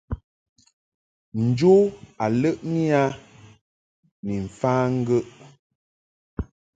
Njo a ləʼni a ni mfa ŋgəʼ.